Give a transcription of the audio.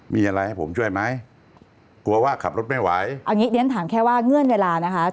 มีอะไรให้ผมช่วยไหมกลัวว่าขับรถไม่ไหวเอางี้เดี๋ยวฉันถามแค่ว่าเงื่อนเวลานะคะ